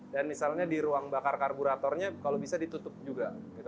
dan misalnya di ruang bakar karburatornya kalau bisa ditutup juga